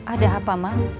ada apa mang